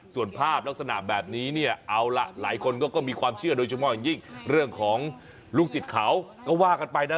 ส่วนภาพลักษณะแบบนี้เนี่ยเอาล่ะหลายคนก็มีความเชื่อโดยเฉพาะอย่างยิ่งเรื่องของลูกศิษย์เขาก็ว่ากันไปนะ